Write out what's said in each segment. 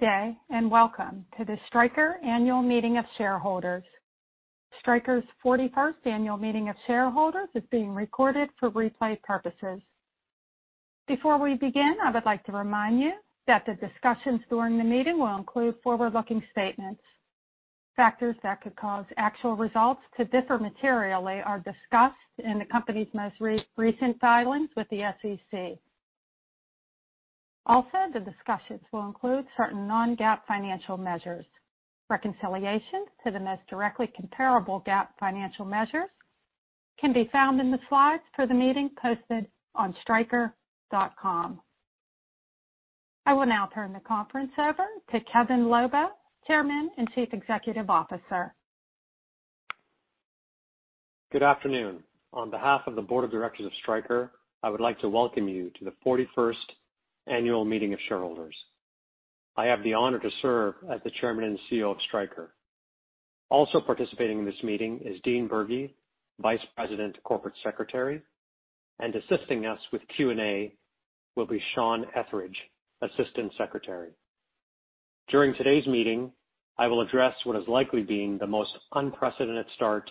Today, welcome to the Stryker annual meeting of shareholders. Stryker's 41st annual meeting of shareholders is being recorded for replay purposes. Before we begin, I would like to remind you that the discussions during the meeting will include forward-looking statements. Factors that could cause actual results to differ materially are discussed in the company's most recent filings with the SEC. Also, the discussions will include certain non-GAAP financial measures. Reconciliation to the most directly comparable GAAP financial measures can be found in the slides for the meeting posted on stryker.com. I will now turn the conference over to Kevin Lobo, Chairman and Chief Executive Officer. Good afternoon. On behalf of the Board of Directors of Stryker, I would like to welcome you to the 41st annual meeting of shareholders. I have the honor to serve as the Chairman and CEO of Stryker. Also participating in this meeting is Dean Bergy, Vice President, Corporate Secretary, and assisting us with Q&A will be Sean Etheridge, Assistant Secretary. During today's meeting, I will address what is likely being the most unprecedented start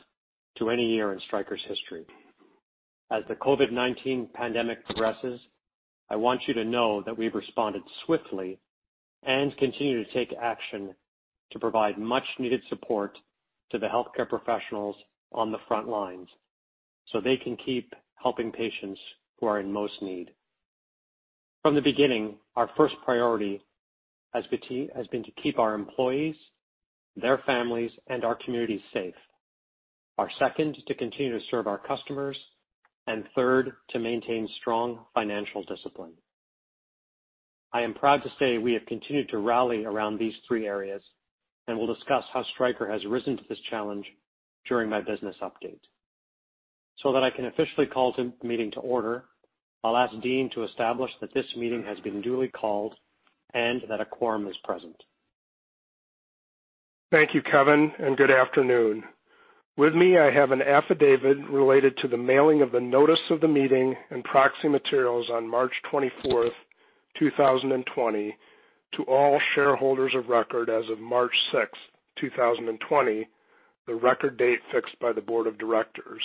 to any year in Stryker's history. As the COVID-19 pandemic progresses, I want you to know that we've responded swiftly and continue to take action to provide much needed support to the healthcare professionals on the front lines so they can keep helping patients who are in most need. From the beginning, our first priority has been to keep our employees, their families, and our communities safe. Our second, to continue to serve our customers, and third, to maintain strong financial discipline. I am proud to say we have continued to rally around these three areas, and we'll discuss how Stryker has risen to this challenge during my business update. That I can officially call the meeting to order, I'll ask Dean to establish that this meeting has been duly called and that a quorum is present. Thank you, Kevin, and good afternoon. With me, I have an affidavit related to the mailing of the notice of the meeting and proxy materials on March 24th, 2020 to all shareholders of record as of March 6, 2020, the record date fixed by the Board of Directors.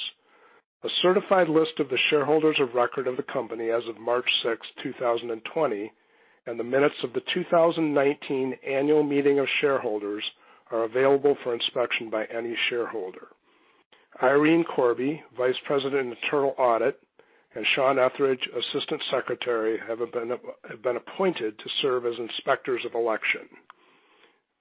A certified list of the shareholders of record of the company as of March 6, 2020, and the minutes of the 2019 Annual Meeting of Shareholders are available for inspection by any shareholder. Irene Corbe, Vice President, Internal Audit, and Sean Etheridge, Assistant Secretary, have been appointed to serve as inspectors of election.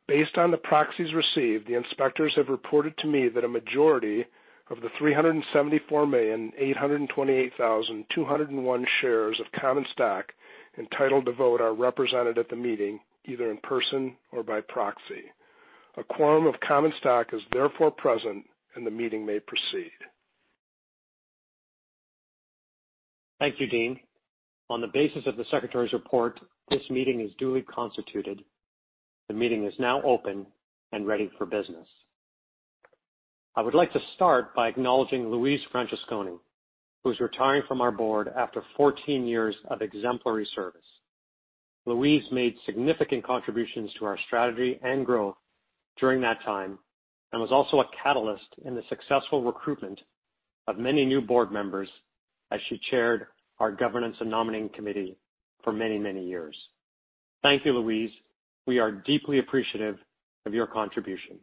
Based on the proxies received, the inspectors have reported to me that a majority of the 374,828,201 shares of common stock entitled to vote are represented at the meeting, either in person or by proxy. A quorum of common stock is therefore present and the meeting may proceed. Thank you, Dean. On the basis of the secretary's report, this meeting is duly constituted. The meeting is now open and ready for business. I would like to start by acknowledging Louise Francesconi, who's retiring from our board after 14 years of exemplary service. Louise made significant contributions to our strategy and growth during that time, and was also a catalyst in the successful recruitment of many new board members as she chaired our Governance and Nominating Committee for many years. Thank you, Louise. We are deeply appreciative of your contributions.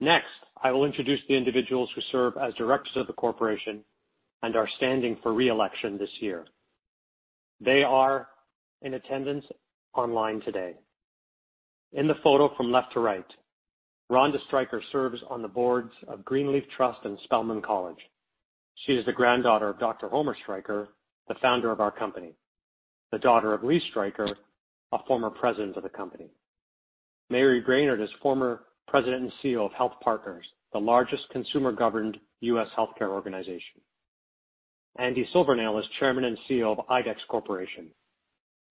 Next, I will introduce the individuals who serve as directors of the corporation and are standing for re-election this year. They are in attendance online today. In the photo from left to right, Ronda Stryker serves on the boards of Greenleaf Trust and Spelman College. She is the granddaughter of Dr. Homer Stryker, the founder of our company. The daughter of Lee Stryker, a former president of the company. Mary Brainerd is former President and CEO of HealthPartners, the largest consumer-governed U.S. healthcare organization. Andy Silvernail is Chairman and CEO of IDEX Corporation.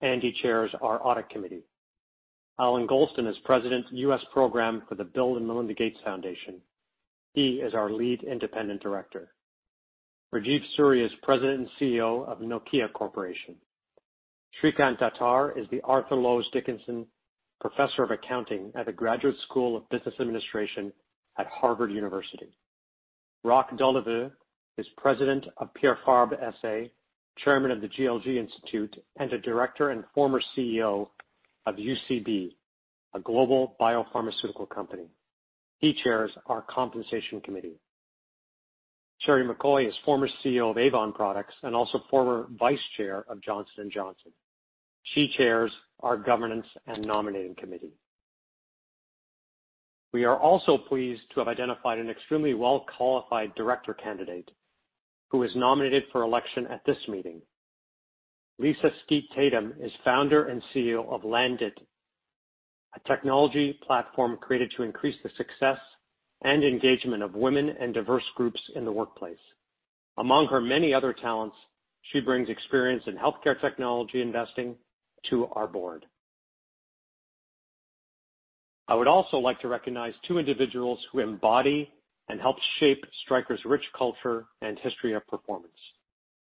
Andy chairs our Audit Committee. Allan Golston is President, U.S. Program for the Bill & Melinda Gates Foundation. He is our lead independent director. Rajeev Suri is President and CEO of Nokia Corporation. Srikant Datar is the Arthur Lowes Dickinson Professor of Accounting at the Graduate School of Business Administration at Harvard University. Roch Doliveux is President of Pierre Fabre SA, Chairman of the GLG Institute, and a director and former CEO of UCB, a global biopharmaceutical company. He chairs our Compensation Committee. Sheri McCoy is former CEO of Avon Products and also former Vice Chair of Johnson & Johnson. She chairs our Governance and Nominating Committee. We are also pleased to have identified an extremely well-qualified Director candidate who is nominated for election at this meeting. Lisa Skeete Tatum is Founder and CEO of Landit, a technology platform created to increase the success and engagement of women and diverse groups in the workplace. Among her many other talents, she brings experience in healthcare technology investing to our board. I would also like to recognize two individuals who embody and help shape Stryker's rich culture and history of performance.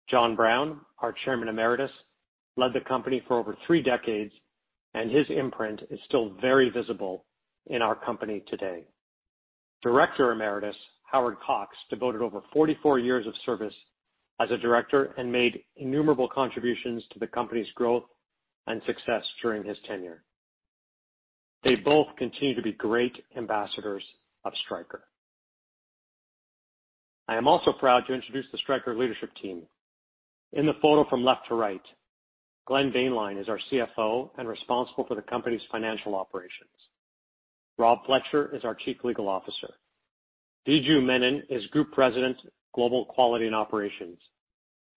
John Brown, our Chairman Emeritus, led the company for over three decades, and his imprint is still very visible in our company today. Director Emeritus Howard Cox devoted over 44 years of service as a Director and made innumerable contributions to the company's growth and success during his tenure. They both continue to be great ambassadors of Stryker. I am also proud to introduce the Stryker leadership team. In the photo from left to right, Glenn Boehnlein is our CFO and responsible for the company's financial operations. Rob Fletcher is our Chief Legal Officer. Viju Menon is Group President, Global Quality and Operations.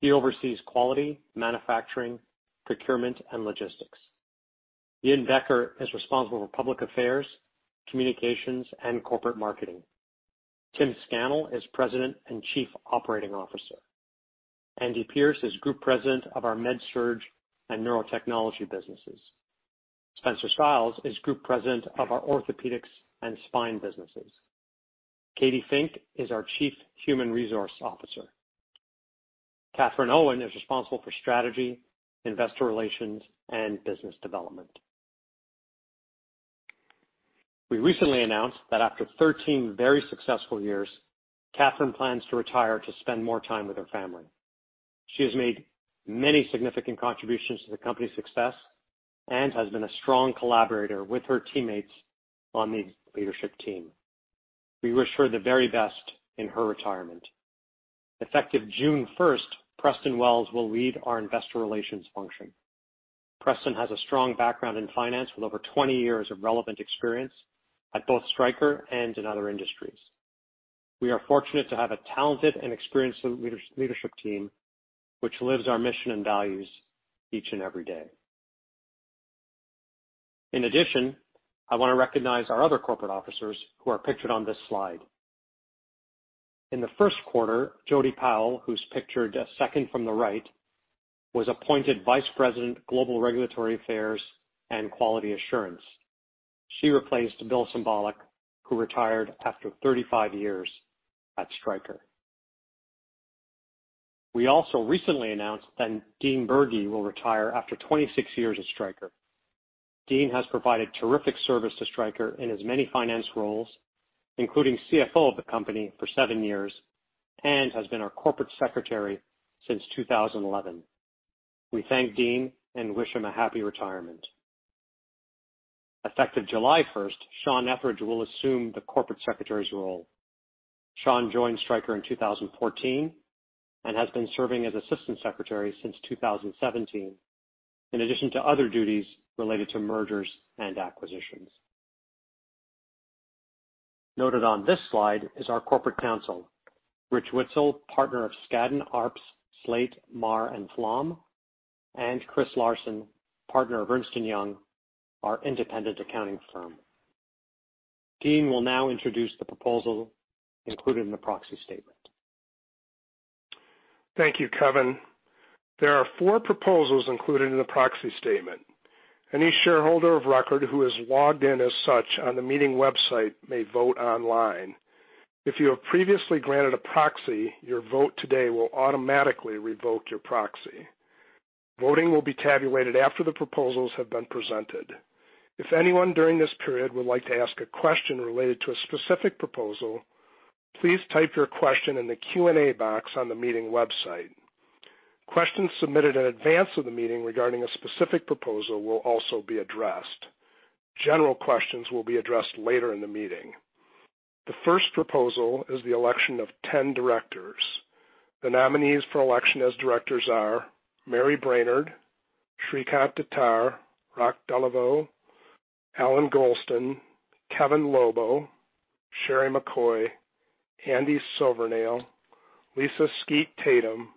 He oversees quality, manufacturing, procurement, and logistics. Yin Becker is responsible for public affairs, communications, and corporate marketing. Tim Scannell is President and Chief Operating Officer. Andy Pierce is Group President of our MedSurg and Neurotechnology businesses. Spencer Stiles is Group President of our Orthopaedics and Spine businesses. Katy Fink is our Chief Human Resources Officer. Katherine Owen is responsible for strategy, investor relations, and business development. We recently announced that after 13 very successful years, Katherine plans to retire to spend more time with her family. She has made many significant contributions to the company's success and has been a strong collaborator with her teammates on the leadership team. We wish her the very best in her retirement. Effective June 1st, Preston Wells will lead our investor relations function. Preston has a strong background in finance with over 20 years of relevant experience at both Stryker and in other industries. We are fortunate to have a talented and experienced leadership team which lives our mission and values each and every day. In addition, I want to recognize our other corporate officers who are pictured on this slide. In the first quarter, Jody Powell, who's pictured second from the right, was appointed Vice President, Global Regulatory Affairs and Quality Assurance. She replaced Bill Cymbaluk, who retired after 35 years at Stryker. We also recently announced that Dean Bergy will retire after 26 years at Stryker. Dean has provided terrific service to Stryker in as many finance roles, including CFO of the company for seven years, and has been our corporate secretary since 2011. We thank Dean and wish him a happy retirement. Effective July 1st, Sean Etheridge will assume the corporate secretary's role. Sean joined Stryker in 2014 and has been serving as assistant secretary since 2017, in addition to other duties related to mergers and acquisitions. Noted on this slide is our corporate counsel, Rich Witzel, partner of Skadden, Arps, Slate, Meagher & Flom, and Chris Larson, partner of Ernst & Young LLP, our independent accounting firm. Dean will now introduce the proposal included in the proxy statement. Thank you, Kevin. There are four proposals included in the proxy statement. Any shareholder of record who has logged in as such on the meeting website may vote online. If you have previously granted a proxy, your vote today will automatically revoke your proxy. Voting will be tabulated after the proposals have been presented. If anyone during this period would like to ask a question related to a specific proposal, please type your question in the Q&A box on the meeting website. Questions submitted in advance of the meeting regarding a specific proposal will also be addressed. General questions will be addressed later in the meeting. The first proposal is the election of 10 directors. The nominees for election as directors are Mary Brainerd, Srikant Datar, Roch Doliveux, Allan Golston, Kevin Lobo, Sheri McCoy, Andy Silvernail, Lisa Skeete Tatum,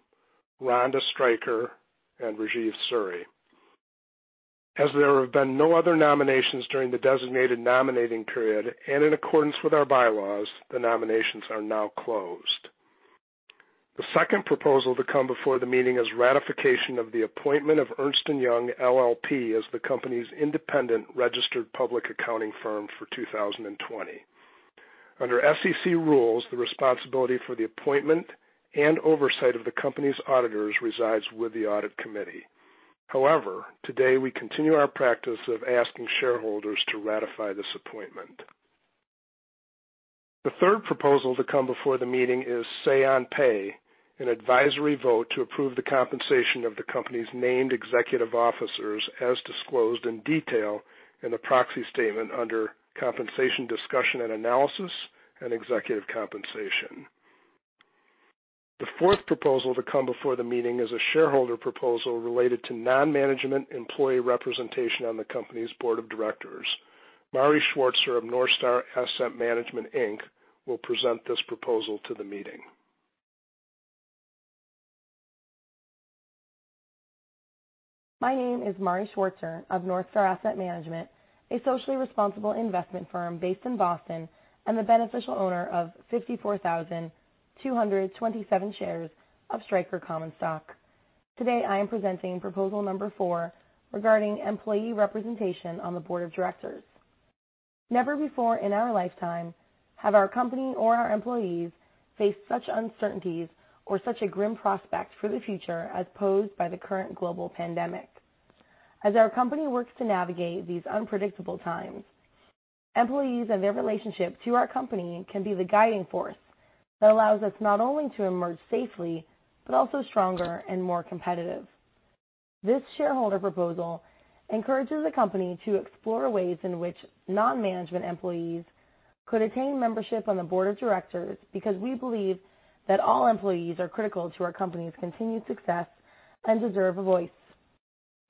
Ronda Stryker, and Rajeev Suri. As there have been no other nominations during the designated nominating period and in accordance with our bylaws, the nominations are now closed. The second proposal to come before the meeting is ratification of the appointment of Ernst & Young LLP as the company's independent registered public accounting firm for 2020. Under SEC rules, the responsibility for the appointment and oversight of the company's auditors resides with the audit committee. Today we continue our practice of asking shareholders to ratify this appointment. The third proposal to come before the meeting is say on pay, an advisory vote to approve the compensation of the company's named executive officers as disclosed in detail in the proxy statement under compensation discussion and analysis and executive compensation. The fourth proposal to come before the meeting is a shareholder proposal related to non-management employee representation on the company's board of directors. Mari Schwartzer of North Star Asset Management, Inc. will present this proposal to the meeting. My name is Mari Schwartzer of North Star Asset Management, a socially responsible investment firm based in Boston and the beneficial owner of 54,227 shares of Stryker common stock. Today, I am presenting proposal number four regarding employee representation on the board of directors. Never before in our lifetime have our company or our employees faced such uncertainties or such a grim prospect for the future as posed by the current global pandemic. As our company works to navigate these unpredictable times, employees and their relationship to our company can be the guiding force that allows us not only to emerge safely, but also stronger and more competitive. This shareholder proposal encourages the company to explore ways in which non-management employees could attain membership on the board of directors, because we believe that all employees are critical to our company's continued success and deserve a voice.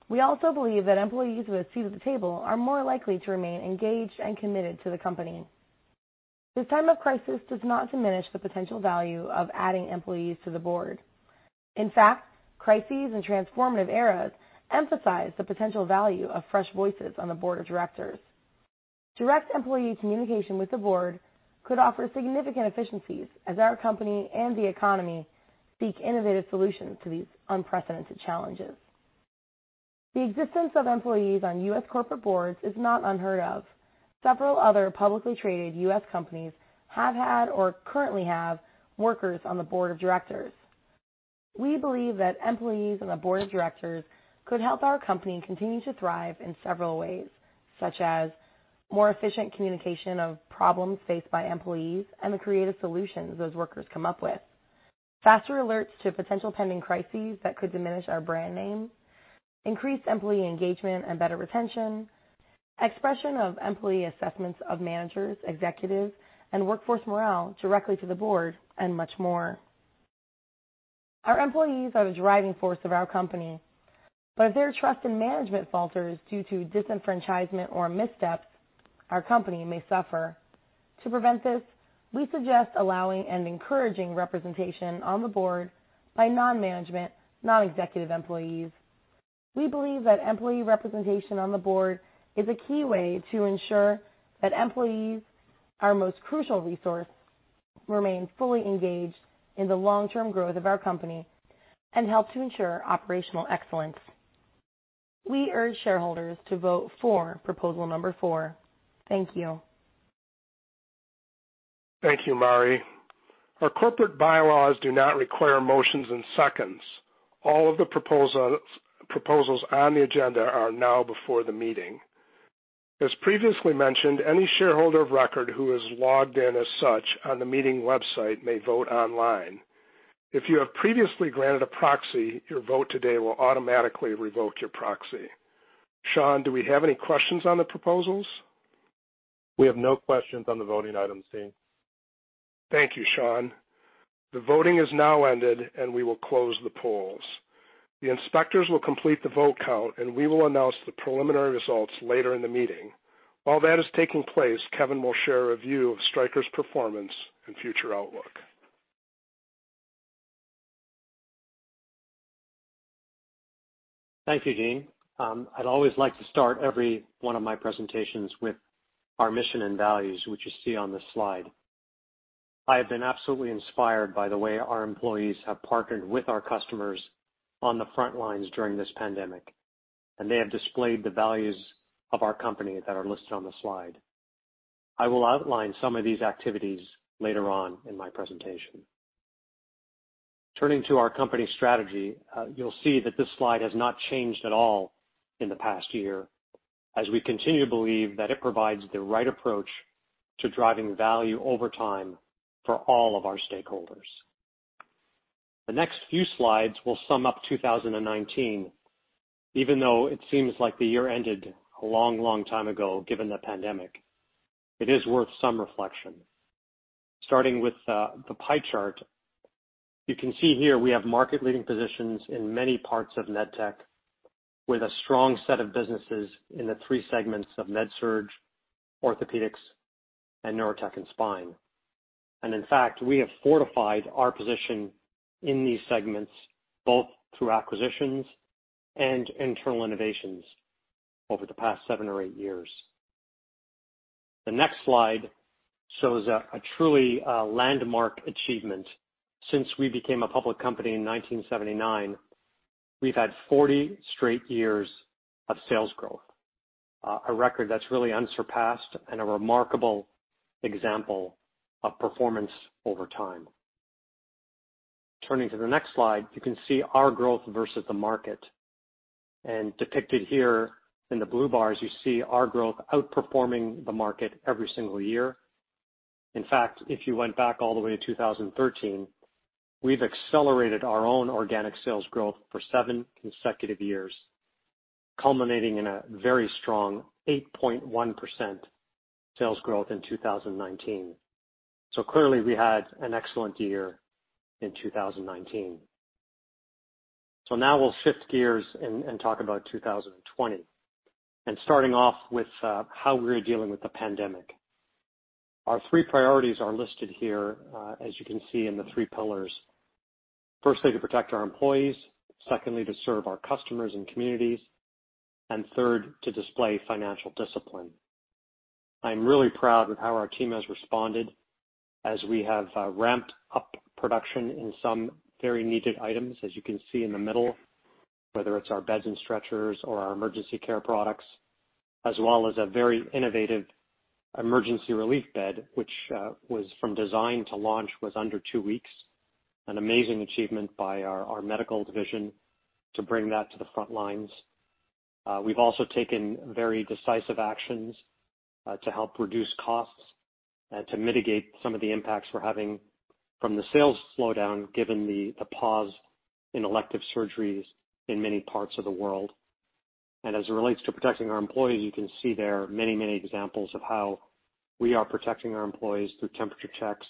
We also believe that employees with a seat at the table are more likely to remain engaged and committed to the company. This time of crisis does not diminish the potential value of adding employees to the board. In fact, crises and transformative eras emphasize the potential value of fresh voices on the board of directors. Direct employee communication with the board could offer significant efficiencies as our company and the economy seek innovative solutions to these unprecedented challenges. The existence of employees on U.S. corporate boards is not unheard of. Several other publicly traded U.S. companies have had or currently have workers on the board of directors. We believe that employees on the board of directors could help our company continue to thrive in several ways, such as more efficient communication of problems faced by employees and the creative solutions those workers come up with, faster alerts to potential pending crises that could diminish our brand name, increased employee engagement and better retention, expression of employee assessments of managers, executives, and workforce morale directly to the board, and much more. Our employees are the driving force of our company, but if their trust in management falters due to disenfranchisement or missteps, our company may suffer. To prevent this, we suggest allowing and encouraging representation on the board by non-management, non-executive employees. We believe that employee representation on the board is a key way to ensure that employees, our most crucial resource, remain fully engaged in the long-term growth of our company and help to ensure operational excellence. We urge shareholders to vote for proposal number four. Thank you. Thank you, Mari. Our corporate bylaws do not require motions and seconds. All of the proposals on the agenda are now before the meeting. As previously mentioned, any shareholder of record who is logged in as such on the meeting website may vote online. If you have previously granted a proxy, your vote today will automatically revoke your proxy. Sean, do we have any questions on the proposals? We have no questions on the voting items, Dean. Thank you, Sean. The voting has now ended, and we will close the polls. The inspectors will complete the vote count, and we will announce the preliminary results later in the meeting. While that is taking place, Kevin will share a review of Stryker's performance and future outlook. Thank you, Dean. I always like to start every one of my presentations with our mission and values, which you see on this slide. I have been absolutely inspired by the way our employees have partnered with our customers on the front lines during this pandemic, and they have displayed the values of our company that are listed on the slide. I will outline some of these activities later on in my presentation. Turning to our company strategy, you'll see that this slide has not changed at all in the past year, as we continue to believe that it provides the right approach to driving value over time for all of our stakeholders. The next few slides will sum up 2019. Even though it seems like the year ended a long time ago, given the pandemic, it is worth some reflection. Starting with the pie chart, you can see here we have market-leading positions in many parts of med tech, with a strong set of businesses in the three segments of MedSurg, Orthopaedics, and Neurotechnology and Spine. In fact, we have fortified our position in these segments both through acquisitions and internal innovations over the past seven or eight years. The next slide shows a truly landmark achievement. Since we became a public company in 1979, we've had 40 straight years of sales growth, a record that's really unsurpassed and a remarkable example of performance over time. Turning to the next slide, you can see our growth versus the market. Depicted here in the blue bars, you see our growth outperforming the market every single year. In fact, if you went back all the way to 2013, we've accelerated our own organic sales growth for seven consecutive years, culminating in a very strong 8.1% sales growth in 2019. Clearly, we had an excellent year in 2019. Now we'll shift gears and talk about 2020, and starting off with how we're dealing with the pandemic. Our three priorities are listed here, as you can see in the three pillars. Firstly, to protect our employees. Secondly, to serve our customers and communities. Third, to display financial discipline. I'm really proud of how our team has responded as we have ramped up production in some very needed items, as you can see in the middle, whether it's our beds and stretchers or our emergency care products, as well as a very innovative Emergency Relief Bed, which was from design to launch was under two weeks, an amazing achievement by our medical division to bring that to the front lines. We've also taken very decisive actions to help reduce costs and to mitigate some of the impacts we're having from the sales slowdown given the pause in elective surgeries in many parts of the world. As it relates to protecting our employees, you can see there are many, many examples of how we are protecting our employees through temperature checks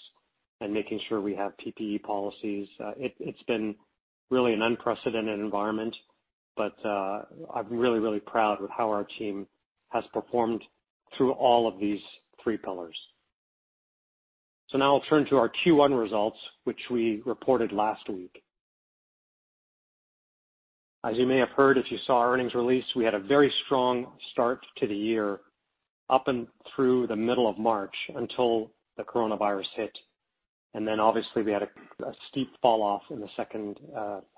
and making sure we have PPE policies. It's been an unprecedented environment. I'm really proud of how our team has performed through all of these three pillars. Now I'll turn to our Q1 results, which we reported last week. As you may have heard, if you saw our earnings release, we had a very strong start to the year up and through the middle of March until the coronavirus hit. Then obviously we had a steep fall off in the second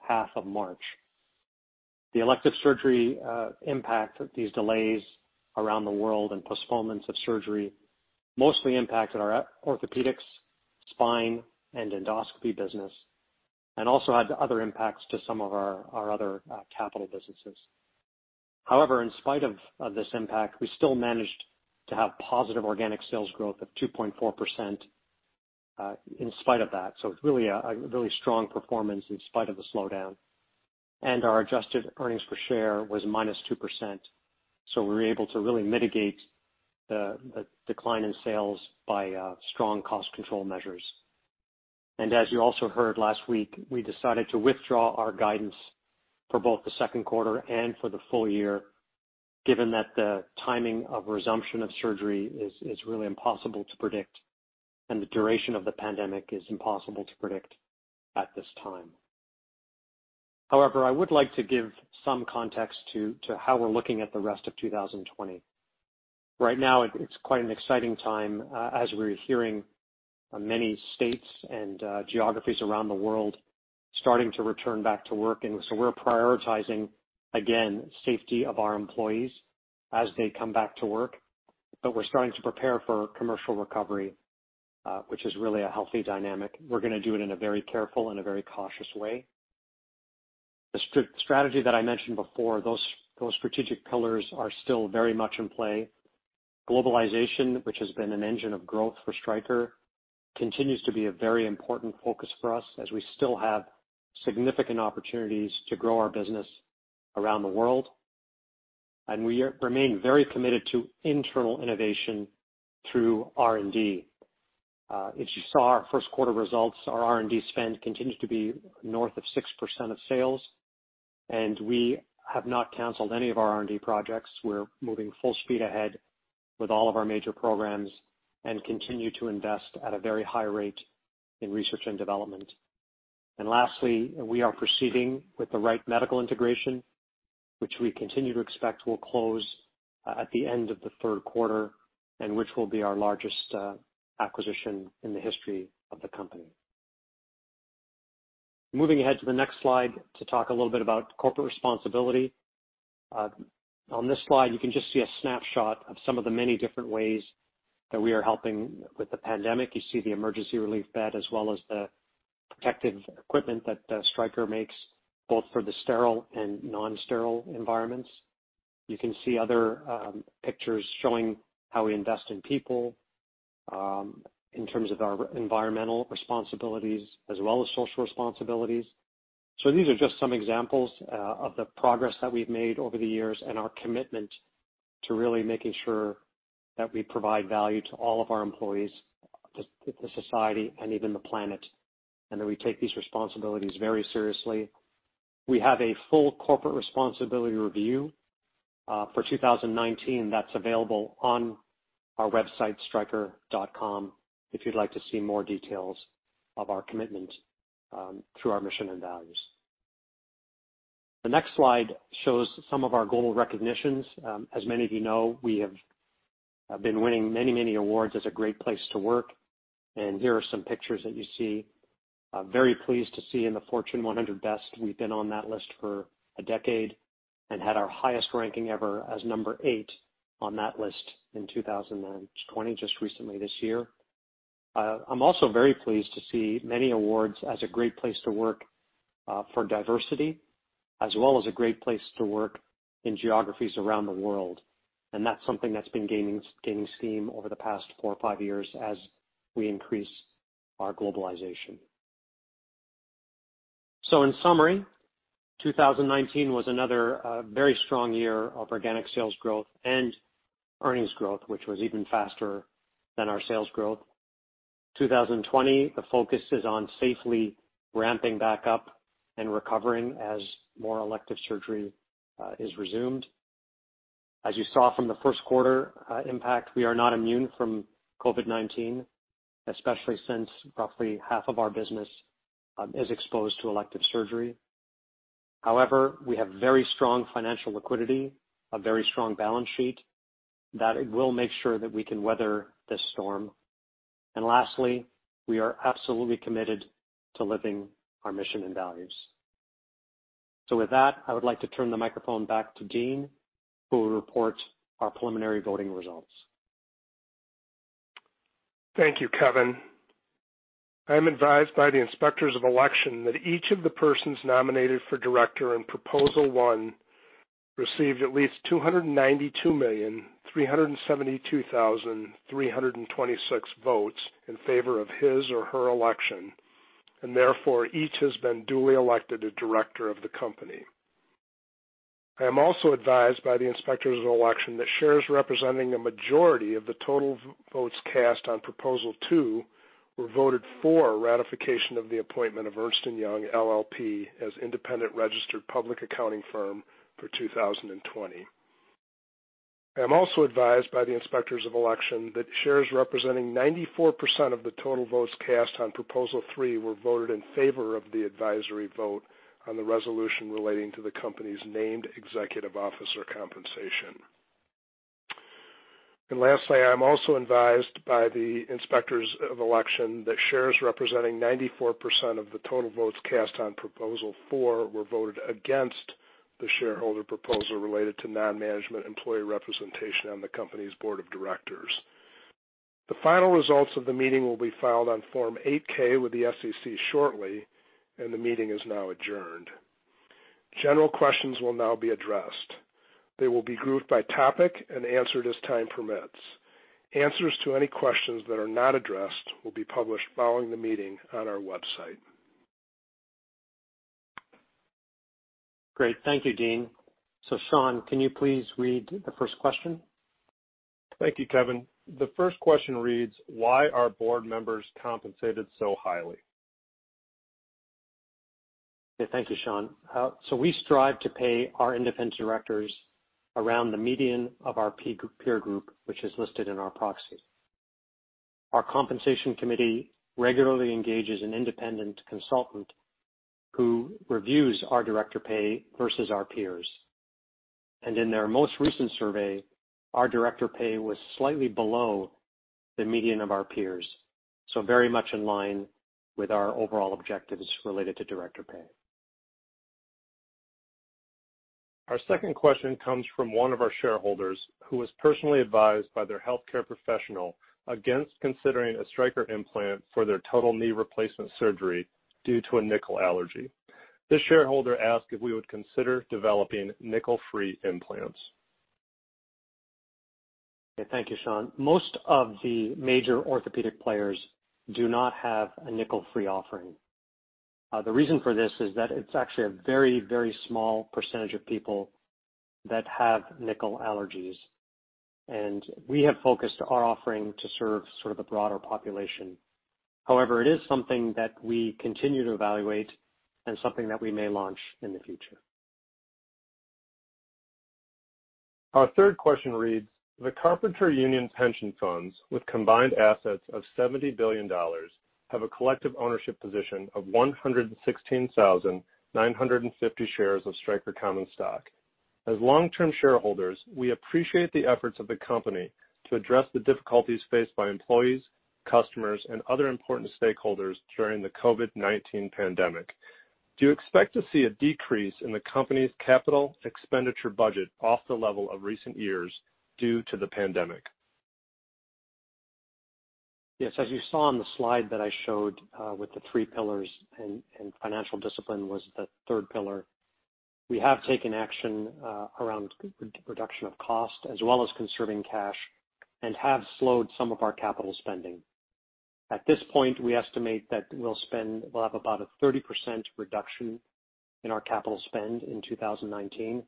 half of March. The elective surgery impact of these delays around the world and postponements of surgery mostly impacted our Orthopaedics, Spine, and Endoscopy business, also had other impacts to some of our other capital businesses. However, in spite of this impact, we still managed to have positive organic sales growth of 2.4% in spite of that. It's a really strong performance in spite of the slowdown. Our adjusted earnings per share was -2%. We were able to really mitigate the decline in sales by strong cost control measures. As you also heard last week, we decided to withdraw our guidance for both the second quarter and for the full year, given that the timing of resumption of surgery is really impossible to predict, and the duration of the pandemic is impossible to predict at this time. I would like to give some context to how we're looking at the rest of 2020. Right now, it's quite an exciting time as we're hearing many states and geographies around the world starting to return back to work. So we're prioritizing, again, safety of our employees as they come back to work. We're starting to prepare for commercial recovery, which is really a healthy dynamic. We're going to do it in a very careful and a very cautious way. The strategy that I mentioned before, those strategic pillars are still very much in play. Globalization, which has been an engine of growth for Stryker, continues to be a very important focus for us as we still have significant opportunities to grow our business around the world. We remain very committed to internal innovation through R&D. If you saw our first quarter results, our R&D spend continued to be north of 6% of sales, and we have not canceled any of our R&D projects. We're moving full speed ahead with all of our major programs and continue to invest at a very high rate in research and development. Lastly, we are proceeding with the Wright Medical integration, which we continue to expect will close at the end of the third quarter, and which will be our largest acquisition in the history of the company. Moving ahead to the next slide to talk a little bit about corporate responsibility. On this slide, you can just see a snapshot of some of the many different ways that we are helping with the pandemic. You see the emergency relief bed as well as the protective equipment that Stryker makes, both for the sterile and non-sterile environments. You can see other pictures showing how we invest in people in terms of our environmental responsibilities as well as social responsibilities. These are just some examples of the progress that we've made over the years and our commitment to really making sure that we provide value to all of our employees, the society, and even the planet, and that we take these responsibilities very seriously. We have a full corporate responsibility review for 2019 that's available on our website, stryker.com, if you'd like to see more details of our commitment through our mission and values. The next slide shows some of our global recognitions. As many of you know, we have been winning many awards as a great place to work. Here are some pictures that you see. Very pleased to see in the Fortune 100 best. We've been on that list for a decade and had our highest ranking ever as number eight on that list in 2020, just recently this year. I'm also very pleased to see many awards as a great place to work for diversity, as well as a great place to work in geographies around the world. That's something that's been gaining steam over the past four or five years as we increase our globalization. In summary, 2019 was another very strong year of organic sales growth and earnings growth, which was even faster than our sales growth. 2020, the focus is on safely ramping back up and recovering as more elective surgery is resumed. As you saw from the first quarter impact, we are not immune from COVID-19, especially since roughly half of our business is exposed to elective surgery. However, we have very strong financial liquidity, a very strong balance sheet that it will make sure that we can weather this storm. Lastly, we are absolutely committed to living our mission and values. With that, I would like to turn the microphone back to Dean, who will report our preliminary voting results. Thank you, Kevin. I am advised by the Inspectors of Election that each of the persons nominated for director in Proposal one received at least 292,372,326 votes in favor of his or her election, and therefore each has been duly elected a director of the company. I am also advised by the Inspectors of Election that shares representing a majority of the total votes cast on Proposal two were voted for ratification of the appointment of Ernst & Young LLP as independent registered public accounting firm for 2020. I'm also advised by the Inspectors of Election that shares representing 94% of the total votes cast on Proposal three were voted in favor of the advisory vote on the resolution relating to the company's named executive officer compensation. Lastly, I'm also advised by the Inspectors of Election that shares representing 94% of the total votes cast on Proposal four were voted against the shareholder proposal related to non-management employee representation on the company's board of directors. The final results of the meeting will be filed on Form 8-K with the SEC shortly. The meeting is now adjourned. General questions will now be addressed. They will be grouped by topic and answered as time permits. Answers to any questions that are not addressed will be published following the meeting on our website. Great. Thank you, Dean. Sean, can you please read the first question? Thank you, Kevin. The first question reads, "Why are board members compensated so highly? Thank you, Sean. We strive to pay our independent directors around the median of our peer group, which is listed in our proxy. Our compensation committee regularly engages an independent consultant who reviews our director pay versus our peers. In their most recent survey, our director pay was slightly below the median of our peers, so very much in line with our overall objectives related to director pay. Our second question comes from one of our shareholders who was personally advised by their healthcare professional against considering a Stryker implant for their total knee replacement surgery due to a nickel allergy. This shareholder asked if we would consider developing nickel-free implants. Thank you, Sean. Most of the major orthopedic players do not have a nickel-free offering. The reason for this is that it's actually a very small percentage of people that have nickel allergies, and we have focused our offering to serve sort of a broader population. It is something that we continue to evaluate and something that we may launch in the future. Our third question reads, "The Carpenters Union pension funds, with combined assets of $70 billion, have a collective ownership position of 116,950 shares of Stryker common stock. As long-term shareholders, we appreciate the efforts of the company to address the difficulties faced by employees, customers, and other important stakeholders during the COVID-19 pandemic. Do you expect to see a decrease in the company's capital expenditure budget off the level of recent years due to the pandemic? Yes. As you saw on the slide that I showed with the three pillars and financial discipline was the third pillar. We have taken action around reduction of cost as well as conserving cash and have slowed some of our capital spending. At this point, we estimate that we'll have about a 30% reduction in our capital spend in 2019.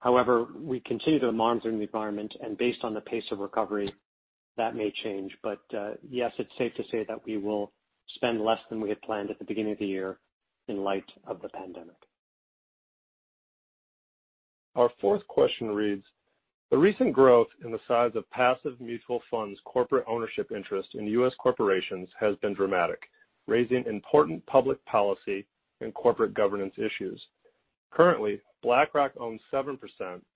However, we continue to monitor the environment and based on the pace of recovery, that may change. Yes, it's safe to say that we will spend less than we had planned at the beginning of the year in light of the pandemic. Our fourth question reads, "The recent growth in the size of passive mutual funds corporate ownership interest in U.S. corporations has been dramatic, raising important public policy and corporate governance issues. Currently, BlackRock owns 7%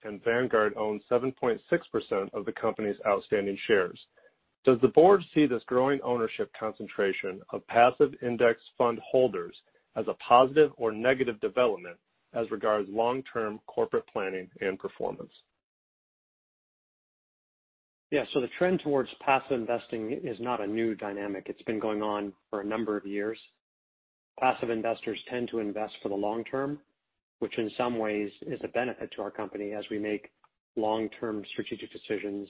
and Vanguard owns 7.6% of the company's outstanding shares. Does the board see this growing ownership concentration of passive index fund holders as a positive or negative development as regards long-term corporate planning and performance? The trend towards passive investing is not a new dynamic. It's been going on for a number of years. Passive investors tend to invest for the long term, which in some ways is a benefit to our company as we make long-term strategic decisions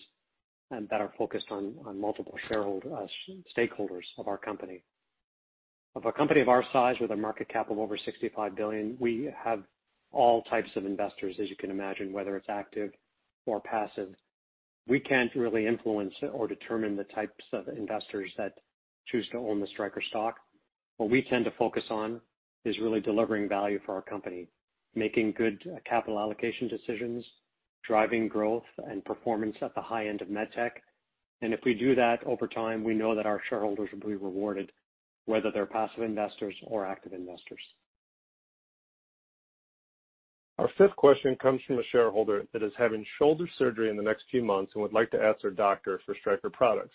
and that are focused on multiple stakeholders of our company. Of a company of our size with a market cap of over $65 billion, we have all types of investors, as you can imagine, whether it's active or passive. We can't really influence or determine the types of investors that choose to own the Stryker stock. What we tend to focus on is really delivering value for our company, making good capital allocation decisions, driving growth and performance at the high end of medtech. If we do that over time, we know that our shareholders will be rewarded, whether they're passive investors or active investors. Our fifth question comes from a shareholder that is having shoulder surgery in the next few months and would like to ask their doctor for Stryker products.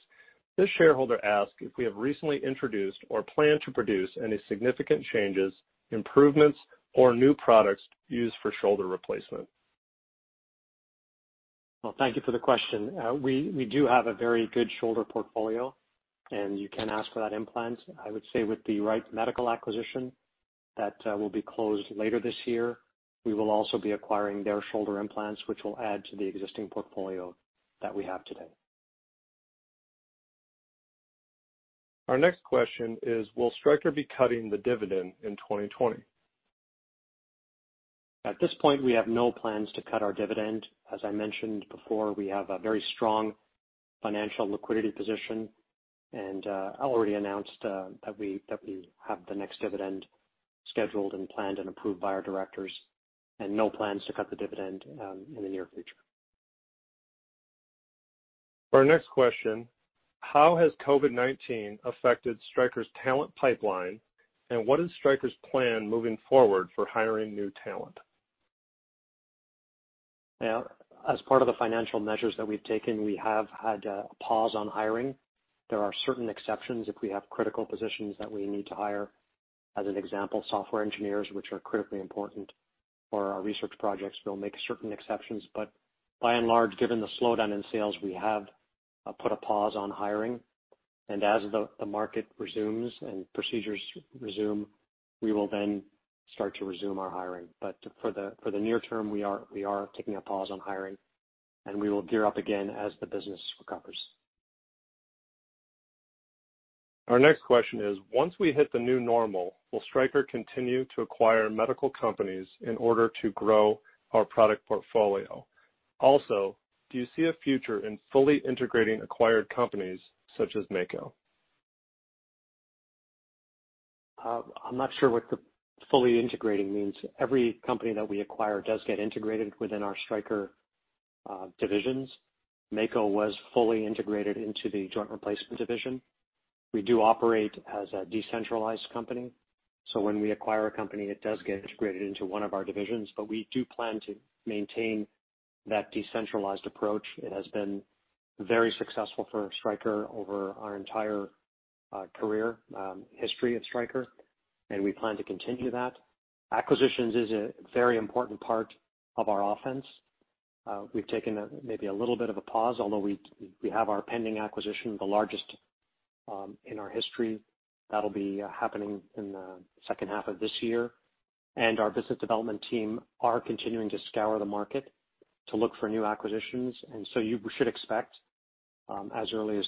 This shareholder asks if we have recently introduced or plan to produce any significant changes, improvements, or new products used for shoulder replacement. Well, thank you for the question. We do have a very good shoulder portfolio, and you can ask for that implant. I would say with the Wright Medical acquisition that will be closed later this year, we will also be acquiring their shoulder implants, which will add to the existing portfolio that we have today. Our next question is, will Stryker be cutting the dividend in 2020? At this point, we have no plans to cut our dividend. As I mentioned before, we have a very strong financial liquidity position. I already announced that we have the next dividend scheduled and planned and approved by our directors, and no plans to cut the dividend in the near future. Our next question: How has COVID-19 affected Stryker's talent pipeline, and what is Stryker's plan moving forward for hiring new talent? As part of the financial measures that we've taken, we have had a pause on hiring. There are certain exceptions if we have critical positions that we need to hire. As an example, software engineers, which are critically important for our research projects, we'll make certain exceptions. By and large, given the slowdown in sales, we have put a pause on hiring. As the market resumes and procedures resume, we will then start to resume our hiring. For the near term, we are taking a pause on hiring, and we will gear up again as the business recovers. Our next question is: Once we hit the new normal, will Stryker continue to acquire medical companies in order to grow our product portfolio? Do you see a future in fully integrating acquired companies such as Mako? I'm not sure what the fully integrating means. Every company that we acquire does get integrated within our Stryker divisions. Mako was fully integrated into the joint replacement division. We do operate as a decentralized company, so when we acquire a company, it does get integrated into one of our divisions, but we do plan to maintain that decentralized approach. It has been very successful for Stryker over our entire career history at Stryker, and we plan to continue that. Acquisitions is a very important part of our offense. We've taken maybe a little bit of a pause, although we have our pending acquisition, the largest in our history. That'll be happening in the second half of this year. Our business development team are continuing to scour the market to look for new acquisitions. You should expect, as early as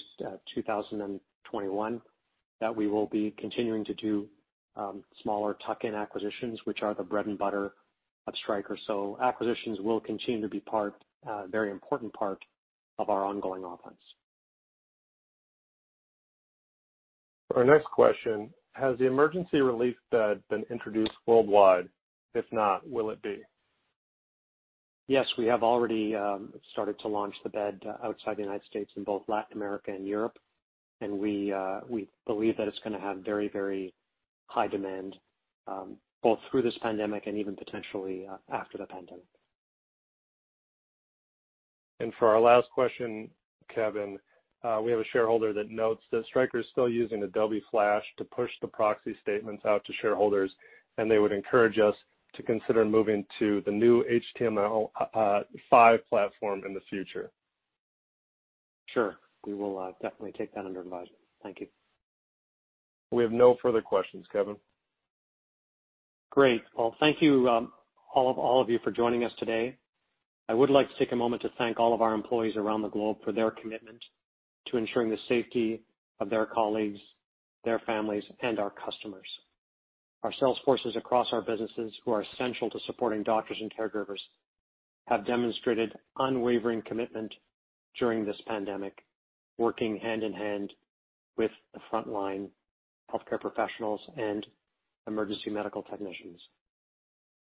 2021, that we will be continuing to do smaller tuck-in acquisitions, which are the bread and butter of Stryker. Acquisitions will continue to be a very important part of our ongoing offense. Our next question: Has the emergency relief bed been introduced worldwide? If not, will it be? Yes, we have already started to launch the bed outside the United States in both Latin America and Europe. We believe that it's going to have very high demand, both through this pandemic and even potentially after the pandemic. For our last question, Kevin, we have a shareholder that notes that Stryker is still using Adobe Flash to push the proxy statements out to shareholders, and they would encourage us to consider moving to the new HTML5 platform in the future. Sure. We will definitely take that under advisement. Thank you. We have no further questions, Kevin. Great. Well, thank you, all of you, for joining us today. I would like to take a moment to thank all of our employees around the globe for their commitment to ensuring the safety of their colleagues, their families, and our customers. Our sales forces across our businesses who are essential to supporting doctors and caregivers have demonstrated unwavering commitment during this pandemic, working hand in hand with the frontline healthcare professionals and emergency medical technicians.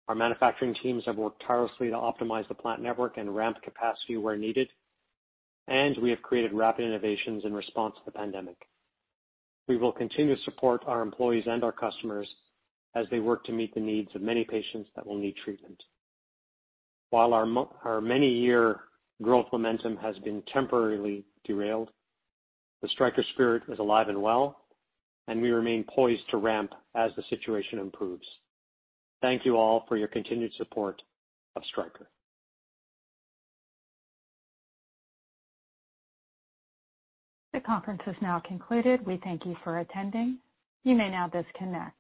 Our manufacturing teams have worked tirelessly to optimize the plant network and ramp capacity where needed, and we have created rapid innovations in response to the pandemic. We will continue to support our employees and our customers as they work to meet the needs of many patients that will need treatment. While our many-year growth momentum has been temporarily derailed, the Stryker spirit is alive and well, and we remain poised to ramp as the situation improves. Thank you all for your continued support of Stryker. The conference has now concluded. We thank you for attending. You may now disconnect.